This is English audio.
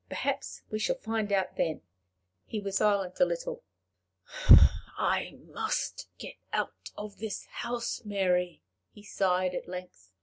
Perhaps we shall find out then." He was silent a little. "I must get out of this house, Mary," he sighed at length.